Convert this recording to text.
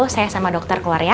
saya sama dokter keluar ya